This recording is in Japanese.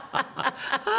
ハハハハ！